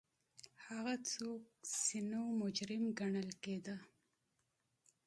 هغه څوک چې نه وو مجرم ګڼل کېده